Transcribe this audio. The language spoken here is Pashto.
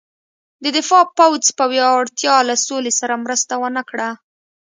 د دفاع پوځ پیاوړتیا له سولې سره مرسته ونه کړه.